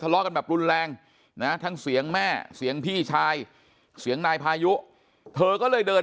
ล้อกันแบบรุนแรงนะทั้งเสียงแม่เสียงพี่ชายเสียงนายพายุเธอก็เลยเดิน